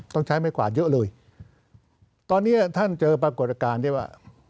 ต้องใช้ไม้กวาดเยอะเลยตอนนี้ท่านเจอปรากฏการณ์ที่ว่า